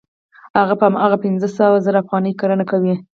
هغه په هماغه پنځه سوه زره افغانۍ کرنه کوي